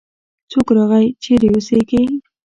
څوک راغی؟ چیرې اوسیږې؟